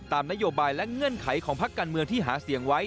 นโยบายและเงื่อนไขของพักการเมืองที่หาเสียงไว้